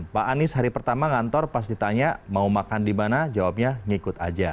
pak anies hari pertama ngantor pas ditanya mau makan di mana jawabnya ngikut aja